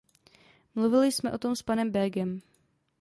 Mluvili jsme o tom s panem Bögem.